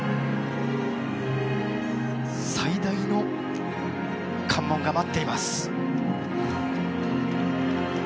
最大の関門が待っています。